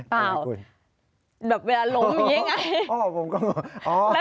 แบบเวลาล้มอย่างนี้ไง